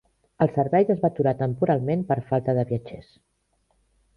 El servei es va aturar "temporalment" per falta de viatgers.